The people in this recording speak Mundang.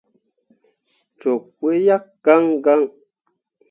Cok pu yak gãn gãn.